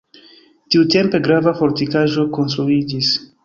Tiutempe grava fortikaĵo konstruiĝis.